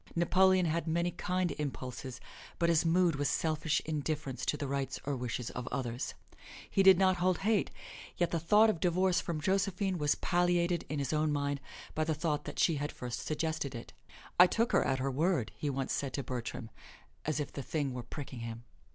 Napoleon had many kind impulses, but his mood was selfish indifference to the rights or wishes of others. He did not hold hate, yet the thought of divorce from Josephine was palliated in his own mind by the thought that she had first suggested it. "I took her at her word," he once said to Bertram, as if the thing were pricking him.